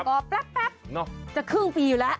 ก็แป๊บจะครึ่งปีอยู่แล้ว